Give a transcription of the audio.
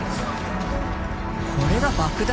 これが爆弾？